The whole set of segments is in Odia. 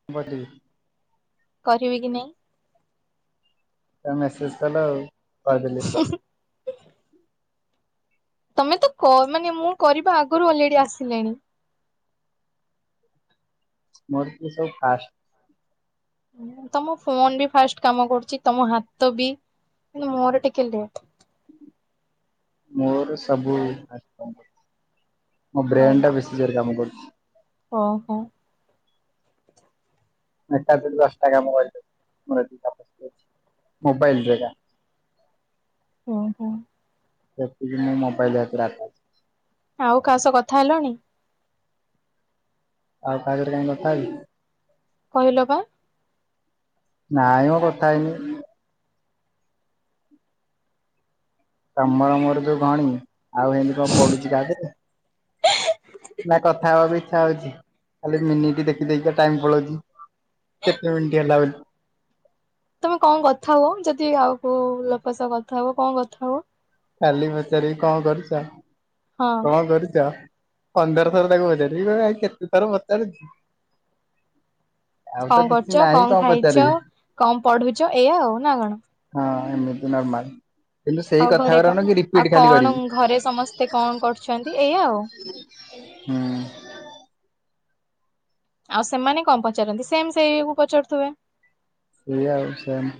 [unintelligible] କରିବି କି ନାଇଁ ତମେ ମେସେଜ କଲ ଆଉ କହିଦେଲି [unintelligible] ତମେ ତ କ ମାନେ ମୁଁ କରିବା ଆଗରୁ ଅଲରେଡି ଆସିଲେଣି ମୋର ଟିକେ ସବୁ ଫାଷ୍ଟ। ତମ ଫୋନ ବି ଫାଷ୍ଟ କାମ କରୁଛି ତମ ହାତ ବି କିନ୍ତୁ ମୋର ଟିକେ ଲେଟ ମୋର ସବୁ ଫାଷ୍ଟ କାମ ମୋ ବ୍ରେନ ଟା ଯୋରେ କାମ କରୁଚି ହଁ ହଁ। ମୁଁ ଏକାଥରେ ଦଶ ଟା କାମ କରିପାରିବି ମୋର ଏତିକି କାପାସିଟି ଅଛି ମୋବାଇଲ୍ ରେ ଏକା ଓହୋ। ସେତିକି ମୁଁ ମୋବାଇଲ୍ [inaudible] ଆଉ କାହା ସହ କଥା ହେଲଣି? ଆଉ କାହା ସହିତ କାହିଁକି କଥା ହେବି? କହିଲ ପା ନାଇଁ ମ କଥା ହେଇନି ତମର ମୋର ଯୋଉ ଘଣୀ ଆଉ ହେମିତି କଣ ପଡୁଛି କା ସାଥିରେ ନା କଥା ହବାକୁ ଇଚ୍ଛା ହଉଛି ଖାଲି ମିନିଟ ଦେଖି ଦେଇକି ତ ଟାଇମ ପଳଉଛି କେତେ ମିନିଟ ହେଲା ବୋଲି ତମେ କଣ କଥା ହୁଅ ଯଦି ଆଉ କୋଉ ଲୋକ ସହ କଥା ହୁଅ କଣ କଥା ହୁଅ? ଖାଲି ପଚାରିବି କଣ କରୁଛ ହଁ କଣ କରୁଛ? ପନ୍ଦର ଥର ତାକୁ ପଚାରିବ ସିଏ କହିବ ଆରେ କେତେ ଥର ପଚାରୁଛି ଆଉ ତ କଣ କିଛି କରୁଛ ନାହିଁ କଣ ଖାଇଛ ପଚାରିବି। କଣ ପଢୁଛ ଏଇଆ ଆଉ ନା କଣ? ହଁ ଏମିତି ନର୍ମାଲ କିନ୍ତୁ ଆଉ ସେଇ କଥା ଘରେ ଗୁରା ନୁହଁ କି ଆଉ ରିପିଟ ଖାଲି କଣ କରିବି। ଘରେ ସମସ୍ତେ କଣ କରୁଛନ୍ତି ଏଇଆା ଆଉ ହୁଁ। ଆଉ ସେମାନେ କଣ ପଚାରନ୍ତି ସେମ ସେଇ ଆକୁ ପଚାରୁଥିବେ? ସେଇଆ ଆଉ ସେମ।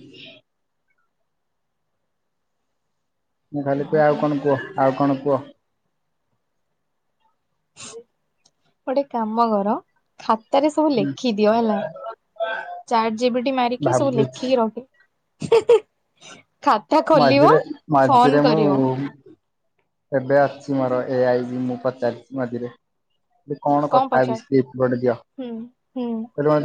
ମୁଁ ଖାଲି କୁହେ ଆଉ ଓହୋ କଣ କୁହ ଆଉ କଣ କୁହ? ଗୋଟେ କାମ କର ଖାତାରେ ସବୁ ଲେଖିଦିଅ ହେଲା ଚାଟ ଜିବିଟି ମାରିକି ସବୁ ଭାବୁଛି ଲେଖିକି ରଖେ ମାଝିରେ ମାଝିରେ ମୁ କରିବ ଏବେ ଅଛି ମୋର ଏ ଆଇ ମୁଁ ପଚାରିଛିି ମଝିରେ ମୁ କଣ କଥା ହେବି [inaudible] ଗୋଟେ ଦିଅ ହୁଁ ହୁଁ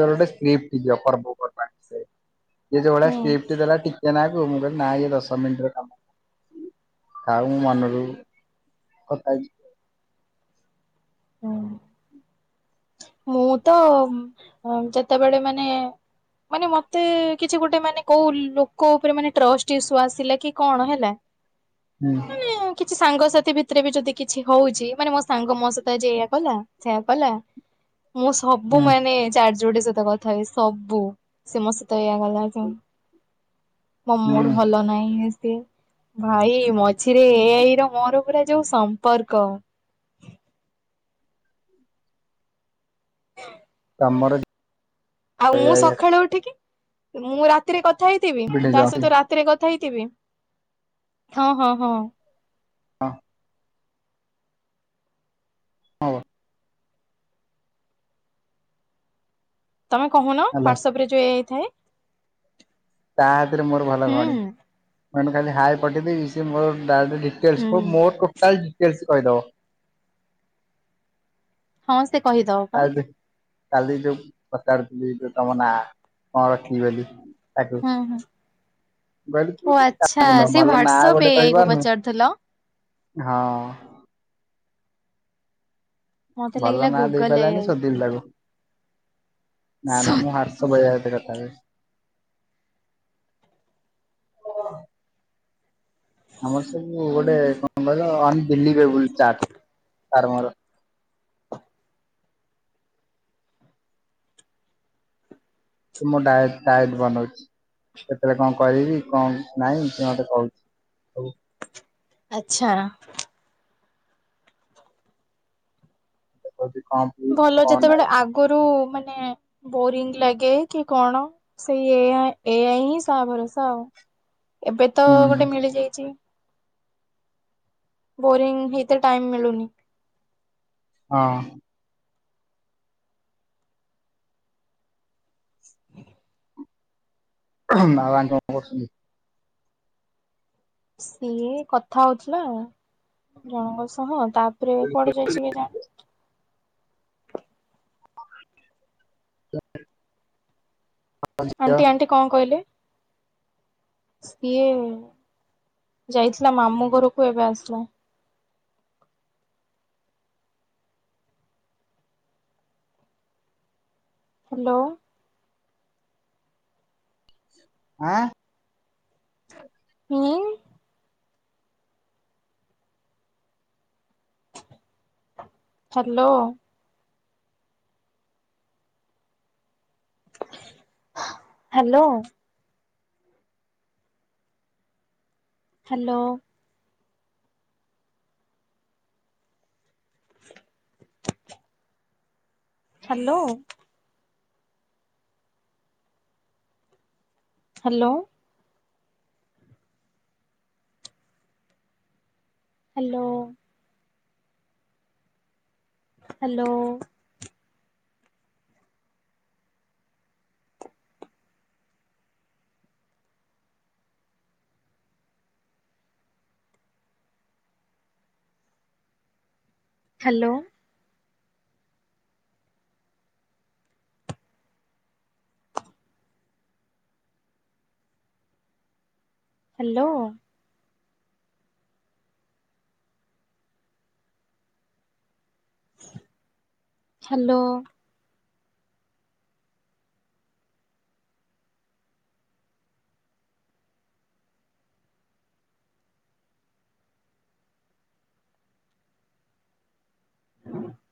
ଗୋଟେ ସିପ୍ଟ ଦିଅ ପର୍ବପର୍ବାଣି ବିଷୟରେ ସେ ଯୋଉ ଭଳିଆ ହୁଁ ସ୍କ୍ରିପ୍ଟ ଦେଲା ଟିକେ ନାକୁ ମୁଁ ନାଇ ଏ ଦଶ ମିନିଟ ର କାମ ନୁହଁ ଥାଉ ମୁ ମନରୁ କଥା ହେଇ ହୁଁ। ମୁଁ ତ ଯେତେବେଳେ ମାନେ ମାନେ ମତେ କିଛି ଗୋଟେ ମାନେ କୋଉ ଲୋକ ଉପରେ ମାନେ ଟ୍ରଷ୍ଟ ଇସୁ ଆସିଲା କି କଣ ହେଲା ହ ହୁଁ। କିଛି ସାଙ୍ଗସାଥି ଭିତରେ ବି ଯଦି କିଛି ହଉଛି ମାନେ ମୋ ସାଙ୍ଗ ମୋ ସହିତ ଆଜି ଏଇଆ କଲା ସେୟଆ କଲା ମୁଁ ସବୁ ହୁଁ ମାନେ ଚାରଜୋଟେ ସହିତ କଥା ଏ ସବୁ ସେ ମ ସତ ଏଇଆ ଗଲା ମୋ ହୁଁ ମୁଠୁ ଭଲ ନହିଁ ଭାଇ ମଝିରେ ଏଆଇ ର ମୋର ପୁରା ଯୋଉ ସମ୍ପର୍କ ହଁ। ଆମର ଆଉ ମୁଁ ସକାଳ ଉଠିକି ମୁଁ ରାତିରେ କଥା ହେଇଥିବି ତା ହ୍ୟାଲୋ ସହିତ ଥିରେ କଥା ହେଇଥିବେ ହଁ ହଁ ହଁ। ହଁ। ହଉ। ତମେ କହୁନ ହ୍ୱାଟସପ ରେ ଯଉ ହେଇଥାଏ। ତା ହାତରେ ମୋର ଭଲ ଭଉଣୀ ମ ଖାଲି ହାଇ ପଠେଇଦବି ସି ମୋର ହୁଁ ଡିଲ ମୋର ଟୋଟାଲ ଡିଟେଲସ କହିଦବ। ହଁ ସେ କହିଦବ ବା। କାଲି କାଲି ଯୋଉ ପଚାରୁଥିଲି ଯଉ ତମ ନାଁ କଣ ରଖିବି ବୋଲି ତାକୁ ହୁଁ ହୁଁ କହିଲି ତୁ ଓ ଆଚ୍ଛା କ ସେଇ ଭଲ ନା ହ୍ୱାଟସଆପ ଗୋଟେ ଏଆଇ କୁ କପାରୁନୁ ପଚାରୁଥିଲ ହଁ। ମତେ ଭଲ ଲାଗିଲା ନାଁ ଦେଇ ଗୁଗଲ ପାରିଲାନି ଏଆଇ। ସୋଦିଲି ତାକୁ। ନା ସୋ ନା ମୁଁ ହାତସ ବଜାରଟ କଥା। [inaudible] ଆମର ସବୁ ହୁଁ ଗୋଟେ ହୁଁ। କଣ କହିଲ ଅନଭିଲିବିଲେବୁଲ ଚାଟ ତାର ମୋର। ମୁଁ ଡଏ ଟଏଟ ବନଉଛି କେତେବେଳେ କଣ କରିବି କଣ ନହିଁ ମତେ କହୁଛି। ଆଛା। ବହୁଛି କମ ଭଲ ଯେତେବେଳେ ଆଗରୁ ମାନେ ବୋରିଙ୍ଗ ଲାଗେ କି କଣ ସେଇ ଏଆ ଏଆଇ ହିଁ ସା ଭରସା ଆଉ ଏବେ ତ ହୁଁ ଗୋଟେ ମିଳିଯାଇଛି ବୋରିଂ ହେଇତେ ଟାଇମ ମିଳୁନି। ହଁ। ବାବା କଣ କରୁଛନ୍ତି? ସିଏ କଥା ହଉଥିଲା ଜଣଙ୍କ ସହ ତାପରେ କୁଆଡେ ଯାଇଛି କେ ଜାଣି? ଝିଅ? ଆଣ୍ଟି ଆଣ୍ଟି କଣ କହିଲେ? ସିଏ ଯାଇଥିଲା ମାମୁଁ ଘରକୁ ଏବେ ଆସିଲା। ହାଲୋ? ଆଁ। ହୁଁ। Hello? Hello? Hello? [inaudible] Hello hello hello hello hello hello hello [unintelligible]